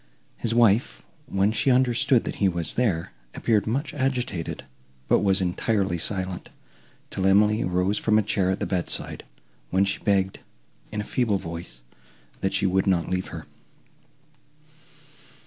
His wife, when she understood that he was there, appeared much agitated, but was entirely silent, till Emily rose from a chair at the bedside, when she begged, in a feeble voice, that she would not leave her.